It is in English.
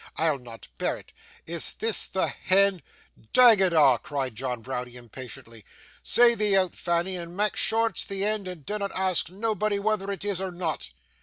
'I'll not bear it. Is THIS the hend ' 'Dang it a',' cried John Browdie, impatiently. 'Say thee say out, Fanny, and mak' sure it's the end, and dinnot ask nobody whether it is or not.